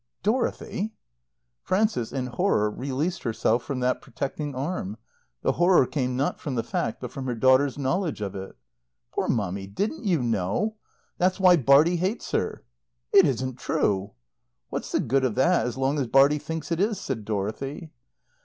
"Dorothy!" Frances, in horror, released herself from that protecting arm. The horror came, not from the fact, but from her daughter's knowledge of it. "Poor Mummy, didn't you know? That's why Bartie hates her." "It isn't true." "What's the good of that as long as Bartie thinks it is?" said Dorothy.